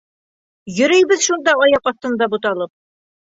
Йөрөйбөҙ шунда аяҡ аҫтында буталып.